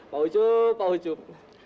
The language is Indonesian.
pak ucup pak ucup